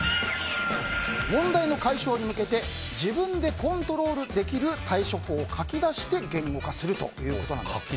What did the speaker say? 問題の解消に向けて自分でコントロールできる対処法を書き出して言語化するということです。